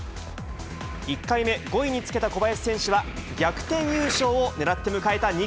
１回目、５位につけた小林選手は、逆転優勝を狙って迎えた